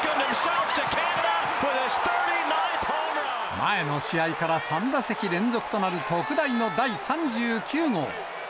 前の試合から３打席連続となる特大の第３９号。